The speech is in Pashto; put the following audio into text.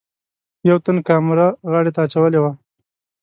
یوه تن کامره غاړې ته اچولې وه.